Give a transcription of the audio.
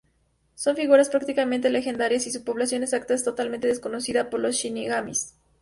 Son figuras prácticamente legendarias y su población exacta es totalmente desconocida por los Shinigamis.